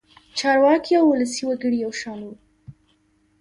چارواکي او ولسي وګړي یو شان وو.